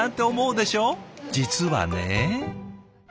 実はね。